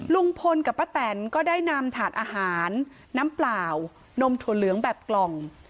ลุงพลกับป้าแตนก็ได้นำถาดอาหารน้ำเปล่านมถั่วเหลืองแบบกล่อง